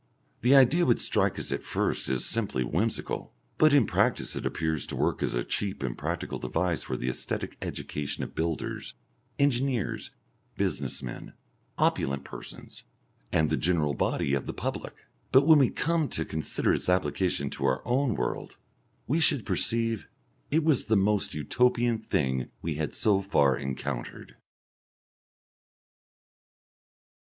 The idea would strike us at first as simply whimsical, but in practice it appears to work as a cheap and practical device for the aesthetic education of builders, engineers, business men, opulent persons, and the general body of the public. But when we come to consider its application to our own world we should perceive it was the most Utopian thing we had so far encountered.